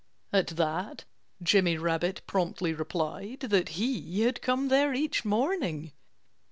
At that Jimmy Rabbit promptly replied that he had come there each morning.